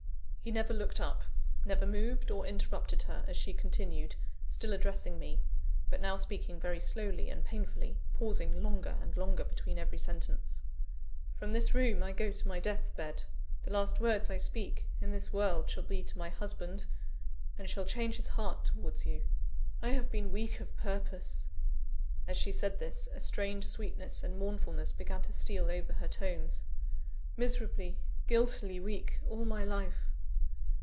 He never looked up, never moved, or interrupted her, as she continued, still addressing me; but now speaking very slowly and painfully, pausing longer and longer between every sentence. "From this room I go to my death bed. The last words I speak in this world shall be to my husband, and shall change his heart towards you. I have been weak of purpose," (as she said this, a strange sweetness and mournfulness began to steal over her tones,) "miserably, guiltily weak, all my life.